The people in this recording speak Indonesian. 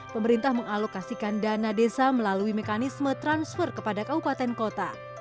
pemerintah mengalokasikan dana desa melalui mekanisme transfer kepada kabupaten kota